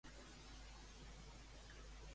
Què lidera Jean-Claude Juncker?